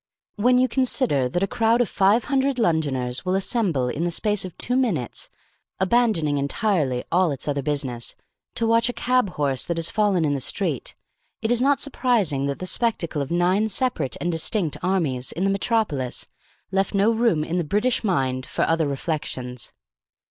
When you consider that a crowd of five hundred Londoners will assemble in the space of two minutes, abandoning entirely all its other business, to watch a cab horse that has fallen in the street, it is not surprising that the spectacle of nine separate and distinct armies in the metropolis left no room in the British mind for other reflections.